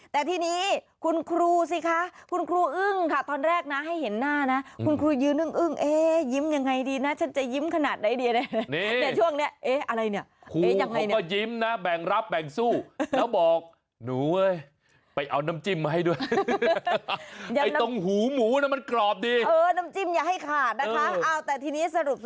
แต่ทีนี้คุณครูสิคะคุณครูอึ้งค่ะตอนแรกนะให้เห็นหน้านะคุณครูยืนอึ้งเอ๊ยยิ้มยังไงดีนะฉันจะยิ้มขนาดไหนดี